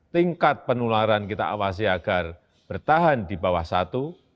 tingkat penularan kita awasi agar bertahan di bawah satu